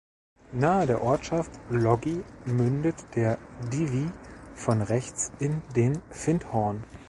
Nahe der Ortschaft Logie mündet der Divie von rechts in den Findhorn.